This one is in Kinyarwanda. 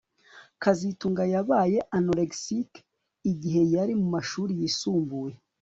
kazitunga yabaye anorexic igihe yari mu mashuri yisumbuye